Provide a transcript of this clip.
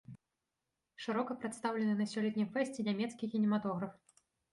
Шырока прадстаўлены на сёлетнім фэсце нямецкі кінематограф.